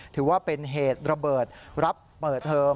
ถือว่าเป็นเหตุระเบิดรับเปิดเทอม